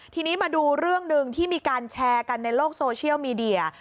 ทีนี้มาดูเรื่องหนึ่งที่มีการแชร์กันในโลกโซเชียลมีเดีย